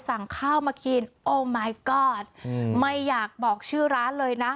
สั่งข้าวมากินโอ้หมายกอดไม่อยากบอกชื่อร้านเลยนะ